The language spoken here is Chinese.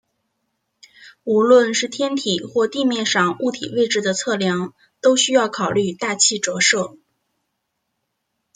无论是天体或地面上物体位置的测量都需要考虑大气折射。